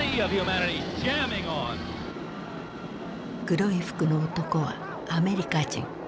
黒い服の男はアメリカ人。